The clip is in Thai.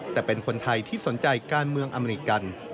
แต่เป็นคนไทยที่สนใจการเมืองอเมริกัน